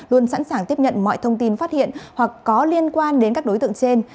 luôn sẵn sàng tiếp nhận mọi thông tin phát hiện hoặc có liên quan đến các đối tượng trên